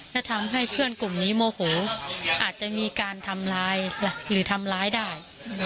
และทำให้เพื่อนกลุ่มนี้โมโหอาจจะมีการทำร้ายหรือทำร้ายได้